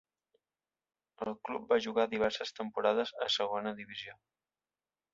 El club va jugar diverses temporades a segona divisió.